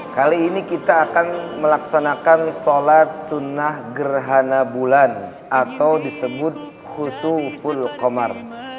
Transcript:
kali ini kita akan melaksanakan sholat sunnah gerhana bulan atau disebut khusuful komar